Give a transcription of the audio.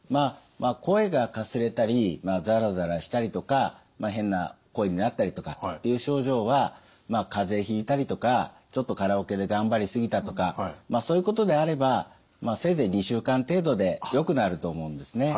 声がかすれたりザラザラしたりとか変な声になったりとかっていう症状はかぜひいたりとかちょっとカラオケで頑張り過ぎたとかまあそういうことであればせいぜい２週間程度でよくなると思うんですね。